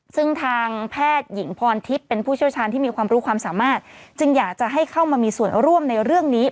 ซึ่งทางแพทย์หญิงพรทิพย์เป็นผู้เชี่ยวชาญที่มีความรู้ความสามารถจึงอยากจะให้เข้ามามีส่วนร่วมในเรื่องนี้